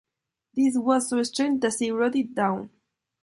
This was so strange that she wrote it down.